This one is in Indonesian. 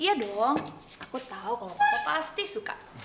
iya dong aku tau kalo papa pasti suka